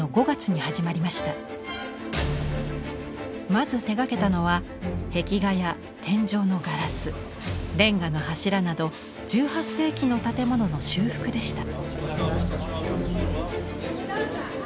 まず手がけたのは壁画や天井のガラスレンガの柱など１８世紀の建物の修復でした。